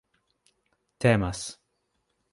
temas